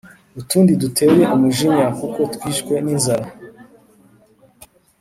utundi duteye umujinya kuko twishwe ninzara